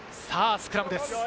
スクラムです。